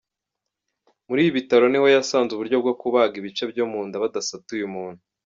Muri ibi bitaro niho yasanze uburyo bwo kubaga ibice byo mu nda badasatuye umuntu.